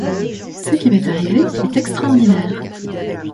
Ce qui m’est arrivé est extraordinaire.